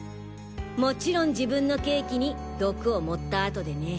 もちろん自分のケーキに毒を盛った後でね。